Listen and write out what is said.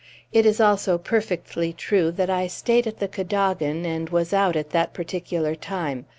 It is also perfectly true that I stayed at the Cadogan and was out at that particular time.